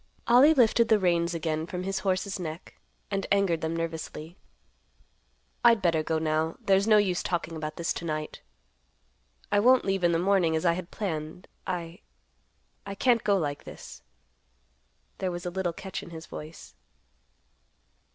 Ollie lifted the reins again from his horse's neck, and angered them nervously. "I'd better go now; there's no use talking about this to night. I won't leave in the morning, as I had planned. I—I can't go like this." There was a little catch in his voice.